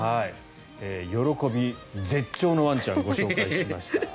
喜び絶頂のワンちゃんをご紹介しました。